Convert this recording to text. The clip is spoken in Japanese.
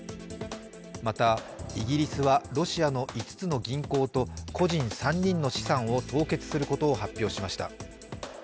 またイギリスはロシアの５つの銀行と個人３人の資産を凍結することを発表しました。